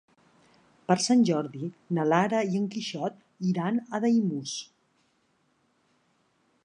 Per Sant Jordi na Lara i en Quixot iran a Daimús.